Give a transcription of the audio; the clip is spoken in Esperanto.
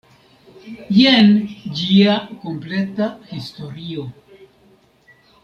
Jen ĝia kompleta historio.